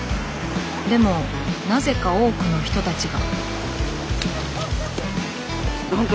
でもなぜか多くの人たちが。